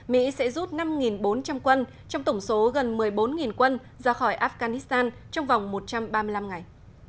mỹ sẽ rút năm bốn trăm linh quân trong tổng số gần một mươi bốn quân ra khỏi afghanistan trong vòng một trăm ba mươi năm ngày